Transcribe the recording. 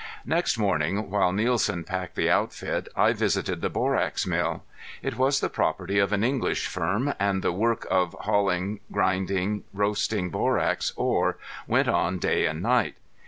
Next morning, while Nielsen packed the outfit, I visited the borax mill. It was the property of an English firm, and the work of hauling, grinding, roasting borax ore went on day and night.